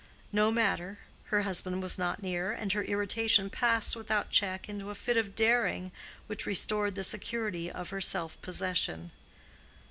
No matter: her husband was not near, and her irritation passed without check into a fit of daring which restored the security of her self possession.